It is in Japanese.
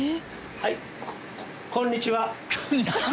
はい！